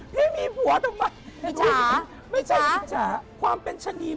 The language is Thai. พี่มีผัวทำไม